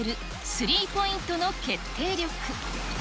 スリーポイントの決定力。